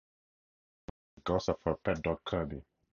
Ellie is accompanied by the ghost of her pet dog Kirby.